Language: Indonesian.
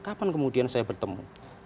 kapan kemudian saya bertemu